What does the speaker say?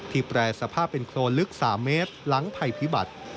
แปรสภาพเป็นโครนลึก๓เมตรหลังภัยพิบัติ